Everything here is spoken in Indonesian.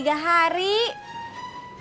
ya udah mau ikut gak